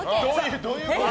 どういうこと。